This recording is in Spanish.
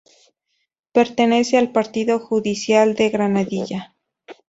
Pertenece al Partido Judicial de Granadilla.